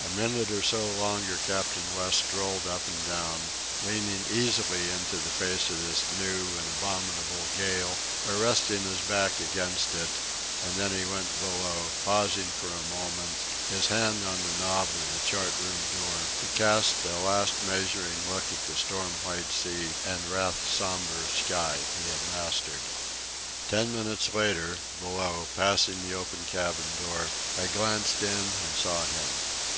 A minute or so longer Captain West strolled up and down, leaning easily into the face of this new and abominable gale or resting his back against it, and then he went below, pausing for a moment, his hand on the knob of the chart room door, to cast a last measuring look at the storm white sea and wrath sombre sky he had mastered. Ten minutes later, below, passing the open cabin door, I glanced in and saw him.